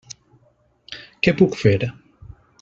Què puc fer?